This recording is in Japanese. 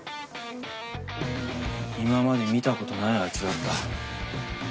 今まで見た事ないあいつだった。